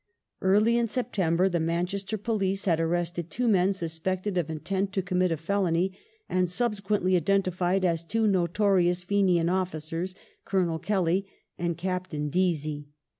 Early in The Man September the Manchester police had arrested two men suspected Chester of intent to commit a felony, and subsequently identified as two notorious Fenian officers, Colonel Kelly and Captain Deasy.